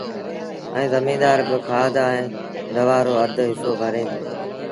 ائيٚݩ زميݩدآر با کآڌ ائيٚݩ دوآ رو اڌ هسو ڀري دو